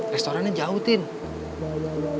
restorannya jauh sindi